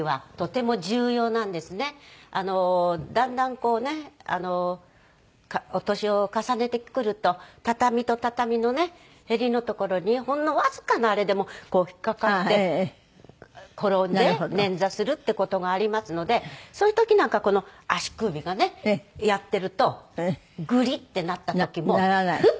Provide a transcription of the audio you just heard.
だんだんこうねお年を重ねてくると畳と畳のね縁のところにほんのわずかなあれでもこう引っかかって転んで捻挫するって事がありますのでそういう時なんかこの足首がねやってるとグリッてなった時もフッとなってね。